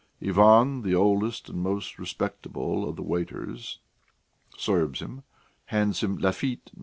Ivan, the oldest and most respectable of the waiters, serves him, hands him Lafitte No.